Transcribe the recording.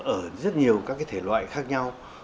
ở rất nhiều thể loại khác nhau